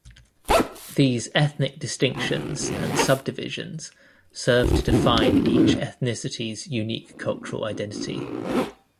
These ethnic distinctions and subdivisions serve to define each ethnicity's unique cultural identity.